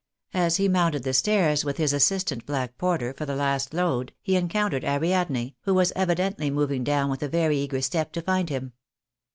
As he mounted the stairs with his assistant black porter for the last load he encountered Ariadne, who was evidently moving down with a very eager step to find him.